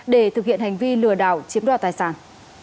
để thực hiện hành vi lừa đảo chiếm đoạt tài sản